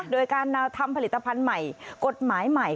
โดยการทำผลิตภัณฑ์ใหม่กฎหมายใหม่